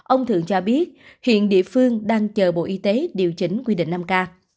ông thượng cho biết hiện địa phương đang chờ bộ y tế điều chỉnh quy định năm k